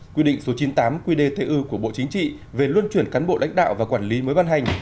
quy định số chín mươi tám qdtu của bộ chính trị về luân chuyển cán bộ lãnh đạo và quản lý mới ban hành